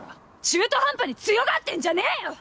中途半端に強がってんじゃねえよ‼